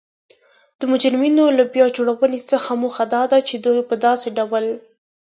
د مجرمینو له بیا جوړونې څخه موخه دا ده چی دوی په داسې ډول